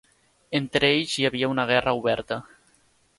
Entre ells hi havia una guerra oberta.